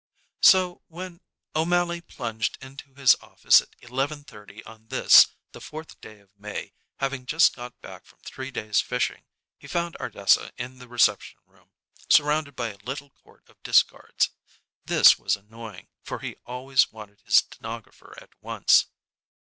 So when O'Mally plunged into his office at 11:30 on this, the fourth day of May, having just got back from three days' fishing, he found Ardessa in the reception room, surrounded by a little court of discards. This was annoying, for he always wanted his stenographer at once.